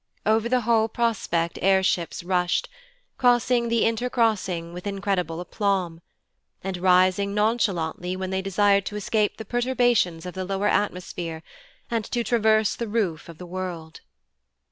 Over the whole prospect air ships rushed, crossing the inter crossing with incredible aplomb, and rising nonchalantly when they desired to escape the perturbations of the lower atmosphere and to traverse the Roof of the World.